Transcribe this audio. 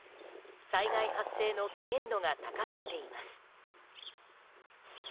災害発生の危険度が高まっています。